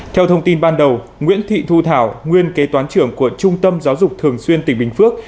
theo thông tin ban đầu nguyễn thị thu thảo nguyên kế toán trưởng của trung tâm giáo dục thường xuyên tỉnh bình phước